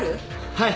はい。